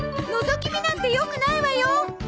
のぞき見なんて良くないわよ！